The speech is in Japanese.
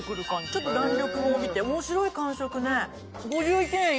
ちょっと弾力を帯びて面白い感触ね。